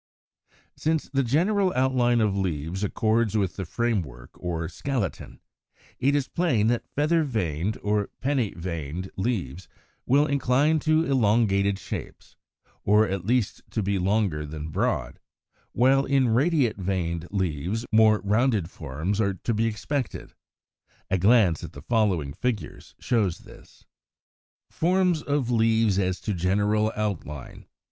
Since the general outline of leaves accords with the framework or skeleton, it is plain that feather veined (or penni veined) leaves will incline to elongated shapes, or at least to be longer than broad; while in radiate veined leaves more rounded forms are to be expected. A glance at the following figures shows this. [Illustration: Fig. 115 120. A series of shapes of feather veined leaves.] 134. =Forms of Leaves as to General Outline.